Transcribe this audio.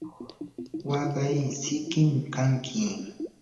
waqay sikim kanki.